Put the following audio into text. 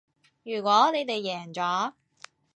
如果你哋贏咗